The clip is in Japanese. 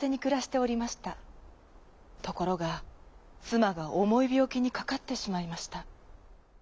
ところがつまがおもいびょうきにかかってしまいました。